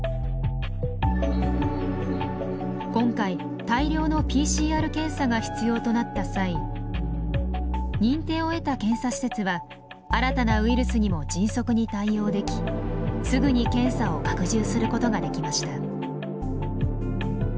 今回大量のＰＣＲ検査が必要となった際認定を得た検査施設は新たなウイルスにも迅速に対応できすぐに検査を拡充することができました。